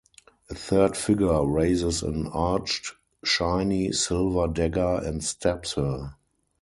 A third figure raises an arched, shiny, silver dagger and stabs her.